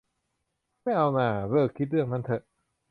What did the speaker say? ไม่เอาหน่า เลิกคิดเรื่องนั้นเถอะ